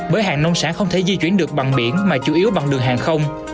bởi hàng nông sản không thể di chuyển được bằng biển mà chủ yếu bằng đường hàng không